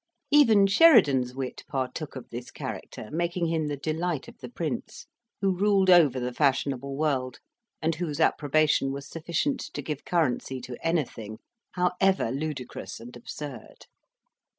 Even Sheridan's wit partook of this character, making him the delight of the Prince, who ruled over the fashionable world, and whose approbation was sufficient to give currency to anything, however ludicrous and absurd.